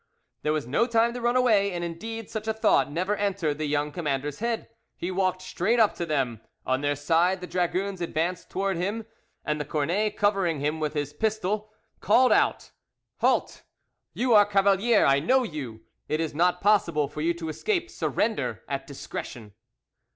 There was no time to run away, and indeed such a thought never entered the young commander's head; he walked straight up to them. On their side, the dragoons advanced towards him, and the cornet covering him with his pistol, called out, "Halt! you are Cavalier; I know you. It is not possible for you to escape; surrender at discretion."